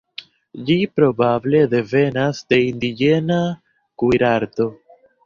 Ĝi probable devenas de indiĝena kuirarto.